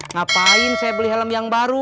ngapain saya beli helm yang baru